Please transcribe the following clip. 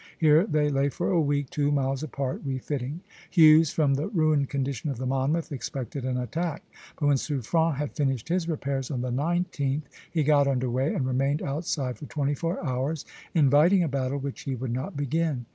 Here they lay for a week two miles apart, refitting. Hughes, from the ruined condition of the "Monmouth," expected an attack; but when Suffren had finished his repairs on the 19th, he got under way and remained outside for twenty four hours, inviting a battle which he would not begin.